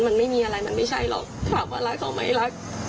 มันไม่มีอะไรมันไม่ใช่หรอกถามว่ารักเขาไหมรัก